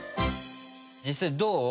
実際どう？